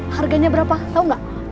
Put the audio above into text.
harganya berapa tau gak